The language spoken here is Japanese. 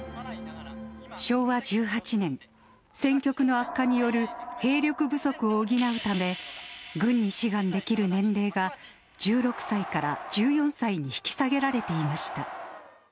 昭和１８年、戦局の悪化による兵力不足を補うため、軍に志願できる年齢が１６歳から１４歳に引き下げられていました。